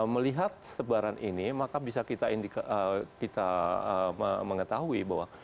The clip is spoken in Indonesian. melihat sebaran ini maka bisa kita mengetahui bahwa